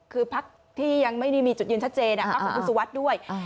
คือภาคที่ยังไม่มีจุดยืนชัดเจนภาคอุตสุวรรษด้วย